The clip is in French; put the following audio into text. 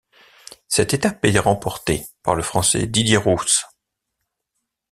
Cette étape est remportée par le Français Didier Rous.